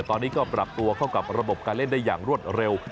ตอนนี้ก็ปรับตัวเข้ากับระบบการเล่นได้อย่างรวดเร็ว